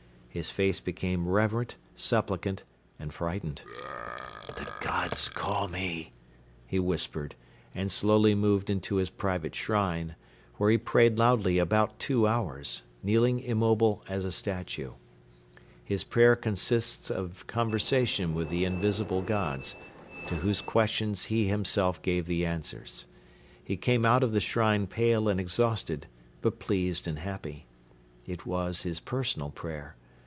His face became reverent, supplicant and frightened. "The Gods call me," he whispered and slowly moved into his private shrine, where he prayed loudly about two hours, kneeling immobile as a statue. His prayer consists of conversation with the invisible gods, to whose questions he himself gave the answers. He came out of the shrine pale and exhausted but pleased and happy. It was his personal prayer.